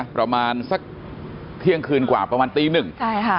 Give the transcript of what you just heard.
ประมาณสักเที่ยงคืนกว่าประมาณตีหนึ่งใช่ค่ะ